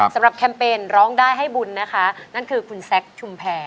แคมเปญร้องได้ให้บุญนะคะนั่นคือคุณแซคชุมแพร